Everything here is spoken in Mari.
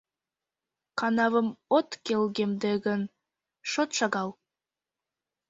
Канавым от келгемде гын, шот шагал.